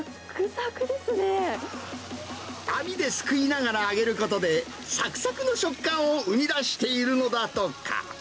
網ですくいながら揚げることで、さくさくの食感を生み出しているのだとか。